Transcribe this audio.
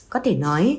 có thể nói